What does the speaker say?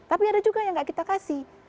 tapi ada juga yang nggak kita kasih